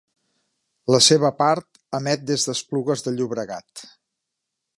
Per la seva part, emet des d'Esplugues de Llobregat.